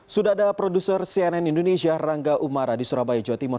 sudah ada produser cnn indonesia rangga umara di surabaya jawa timur